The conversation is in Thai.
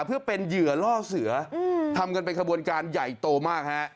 เพื่อเป็นเหยื่อล่อเสือทำกันเป็นขบวนการใหญ่โตมากฮะ